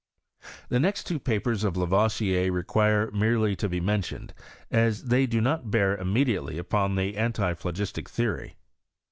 The next two papers of Lavoisier require merely to be mentioned, as they do not bear immediately upon the antiphlogistic theory.